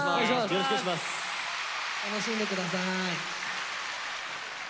楽しんで下さい。